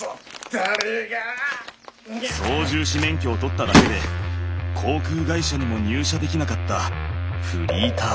操縦士免許を取っただけで航空会社にも入社できなかったフリーター。